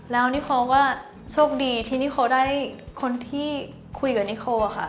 แล้วนิโคว่าโชคดีที่นิโคได้คนที่คุยกับนิโคค่ะ